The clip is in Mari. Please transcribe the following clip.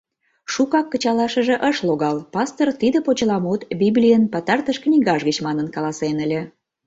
Шукак кычалашыже ыш логал: пастор тиде почеламут Библийын пытартыш книгаж гыч манын каласен ыле.